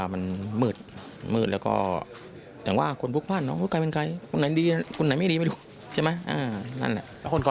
ปกติเจ็ดไปแล้วขึ้นดูว่าน้องเติบไปรุ่นอีกเรื่อง